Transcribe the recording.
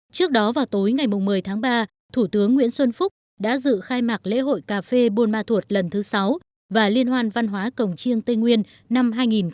trước đó vào tối ngày một mươi tháng ba thủ tướng nguyễn xuân phúc đã dự khai mạc lễ hội cà phê buôn ma thuột lần thứ sáu và liên hoan văn hóa cổng chiêng tây nguyên năm hai nghìn một mươi chín